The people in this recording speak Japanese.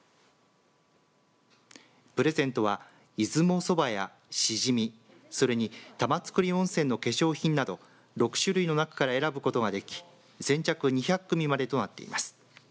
プレゼントは出雲そばやしじみそれに玉造温泉の化粧品など６種類の中から選ぶことができ先着２００組までとなっています。